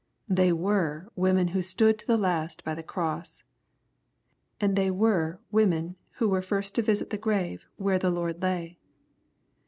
They were women who stood to the last by the cross. And they were women who were first to visit the grave "where the Lord lay.''